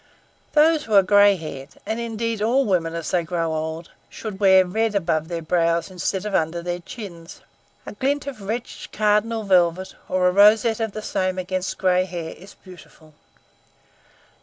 Those who are gray haired and indeed all women as they grow old should wear red above their brows instead of under their chins. A glint of rich cardinal velvet, or a rosette of the same against gray hair is beautiful.